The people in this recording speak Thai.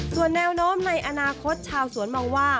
ส่วนแนวโน้มในอนาคตชาวสวนมองว่า